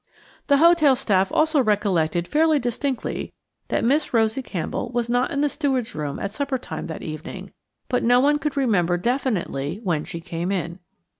The hotel staff also recollected fairly distinctly that Miss Rosie Campbell was not in the steward's room at supper time that evening, but no one could remember definitely when she came in.